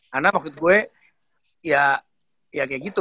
karena maksud gue ya kayak gitu